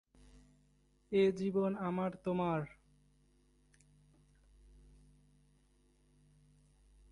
এ জীবন আমার তোমার।